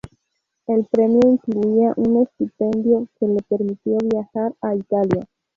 El premio incluía un estipendio que le permitió viajar a Italia.